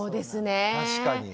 確かに。